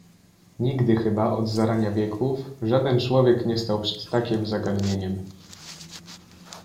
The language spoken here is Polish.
"Nigdy chyba, od zarania wieków, żaden człowiek nie stał przed takiem zagadnieniem."